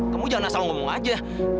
kamu jangan asal ngomong aja